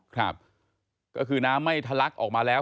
ครับก็คือน้ำไม่ทะลักออกมาแล้ว